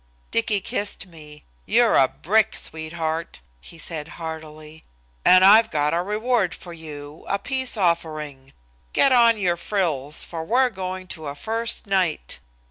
Dicky kissed me. "You're a brick, sweetheart," he said heartily, "and I've got a reward for you, a peace offering. Get on your frills, for we're going to a first night.